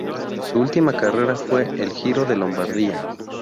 Su última carrera fue el Giro de Lombardía.